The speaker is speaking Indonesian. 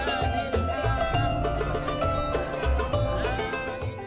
mati lagi dekat